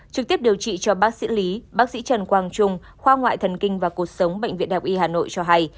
trực tiếp điều trị cho bác sĩ lý bác sĩ trần quang trung khoa ngoại thần kinh và cuộc sống bệnh viện đại học y hà nội cho hay